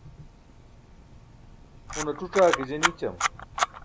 un ac̣uc̣aa ke je nićam